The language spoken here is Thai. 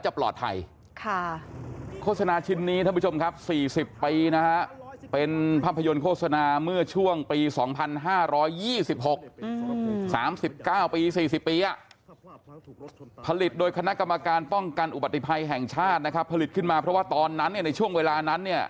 ผลิตขึ้นมาเพราะว่าตอนนั้นในช่วงเวลานั้น